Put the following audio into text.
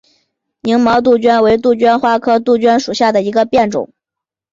凝毛杜鹃为杜鹃花科杜鹃属下的一个变种。